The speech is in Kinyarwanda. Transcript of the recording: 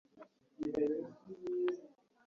ntashobora kuba umwigishwa wanjye